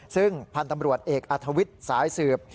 ซึ่งพันธุ์ตำรวจเอกอัธวิทย์สายสืบ